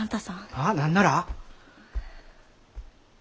ああ何なら？